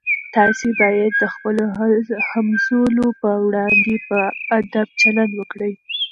تاسي باید د خپلو همزولو په وړاندې په ادب چلند وکړئ.